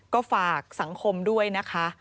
ก็ฝากสังคมด้วยนะคะ